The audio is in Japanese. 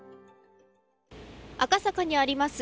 赤坂にあります